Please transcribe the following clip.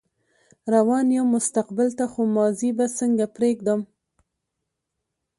روان يم مستقبل ته خو ماضي به څنګه پرېږدم